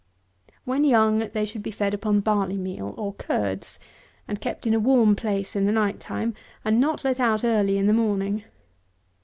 170. When young, they should be fed upon barley meal, or curds, and kept in a warm place in the night time, and not let out early in the morning.